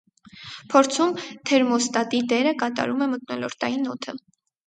Փորձում թերմոստատի դերը կատարում է մթնոլորտային օդը։